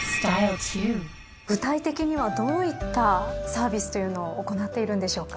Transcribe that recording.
具体的にはどういったサービスというのを行っているんでしょうか？